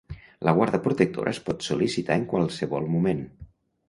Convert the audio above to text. La guarda protectora es pot sol·licitar en qualsevol moment.